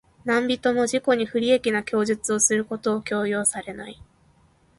何人（なんびと）も自己に不利益な供述をすることを強要されない。